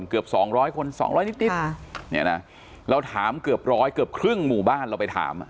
เกือบสองร้อยคนสองร้อยนิดเนี่ยนะเราถามเกือบร้อยเกือบครึ่งหมู่บ้านเราไปถามอ่ะ